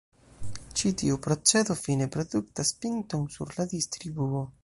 Ĉi-tiu procedo fine produktas pinton sur la distribuo.